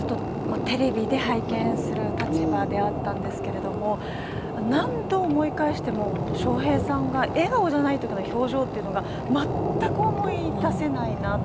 ずっとテレビで拝見する立場であったんですけど、何度思い返しても笑瓶さんが笑顔じゃない時の表情っていうのが全く思い出せないなと。